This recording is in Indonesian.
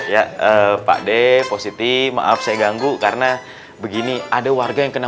ya pak d positif maaf saya ganggu karena begini ada warga yang kena